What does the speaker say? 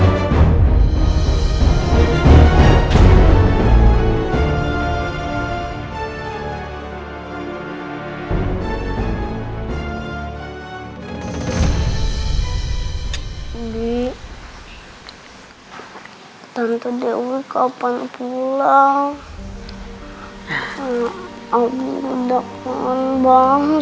aku tidak mau membawa